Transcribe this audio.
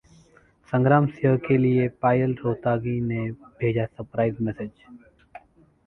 संग्राम सिंह के लिए पायल रोहातगी ने भेजा सरप्राइज मैसेज